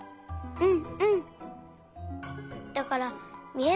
うん！